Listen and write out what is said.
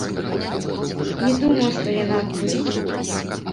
Не думаю, што яна адбудзецца.